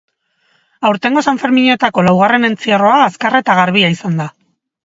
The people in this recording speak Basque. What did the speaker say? Aurtengo sanferminetako laugarren entzierroa azkarra eta garbia izan da.